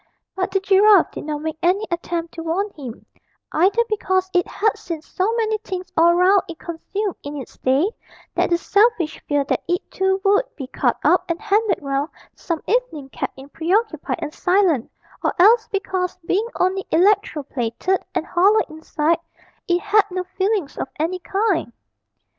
But the giraffe did not make any attempt to warn him, either because it had seen so many things all round it consumed in its day that the selfish fear that it too would be cut up and handed round some evening kept it preoccupied and silent, or else because, being only electro plated and hollow inside, it had no feelings of any kind.